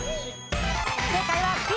正解はＢ。